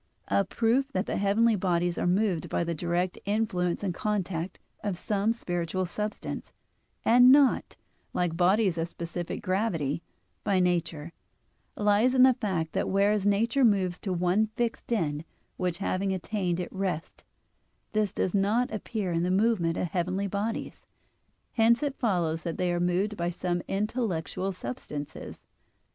A proof that the heavenly bodies are moved by the direct influence and contact of some spiritual substance, and not, like bodies of specific gravity, by nature, lies in the fact that whereas nature moves to one fixed end which having attained, it rests; this does not appear in the movement of heavenly bodies. Hence it follows that they are moved by some intellectual substances.